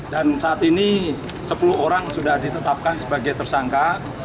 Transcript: dan saat ini sepuluh orang sudah ditetapkan sebagai tersangka